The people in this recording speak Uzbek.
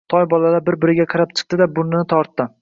Toy bolalarga birma-bir qarab chiqdi-da, burnini tortdi.